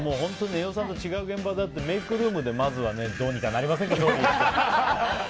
飯尾さんと違う現場であってメイクルームでどうにかなりませんか総理って。